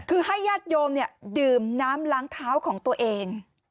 คือให้ญาติโยมดื่มน้ำล้างเท้าของตัวเอง